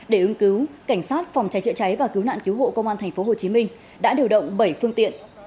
để ứng cứu cảnh sát phòng cháy chữa cháy và cứu nạn cứu hộ công an tp hcm đã điều động bảy phương tiện